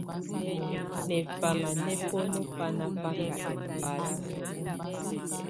Nɛfama nɛ̀ bǝnu bana baka ɛmbata.